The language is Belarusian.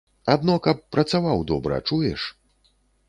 Адно каб працаваў добра, чуеш?